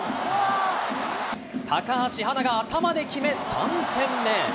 高橋はなが頭で決め、３点目。